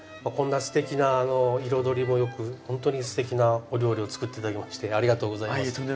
こんなすてきな彩りもよくほんとにすてきなお料理を作って頂きましてありがとうございます。